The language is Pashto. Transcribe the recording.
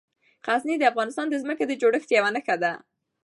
غزني د افغانستان د ځمکې د جوړښت یوه ښه نښه ده.